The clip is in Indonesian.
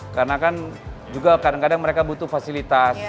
karena kan juga kadang kadang mereka butuh fasilitas